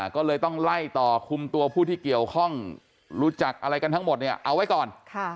ก็เลยต้องไล่ต่อคุมตัวผู้ที่เกี่ยวข้องรู้จักอะไรกันทั้งหมดเนี่ยเอาไว้ก่อน